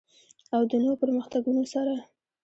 او د نویو پرمختګونو سره.